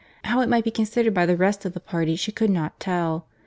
How it might be considered by the rest of the party, she could not tell.